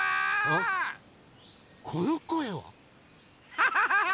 ハハハハ！